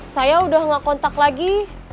saya udah gak kontak lagi